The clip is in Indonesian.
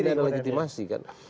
tidak ada legitimasi